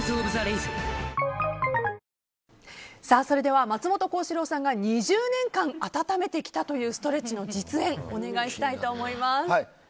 それでは松本幸四郎さんが２０年間温めてきたというストレッチの実演お願いしたいと思います。